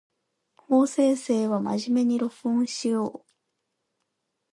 法政生は真面目に録音しよう